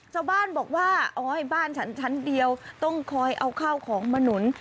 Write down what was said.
เจ้าบ้านบอกว่าบ้านชั้นเดียวต้องคอยเอาข้าวของมาหนุน